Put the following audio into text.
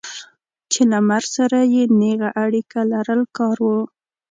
چې له مرګ سره یې نېغه اړیکه لرل کار و.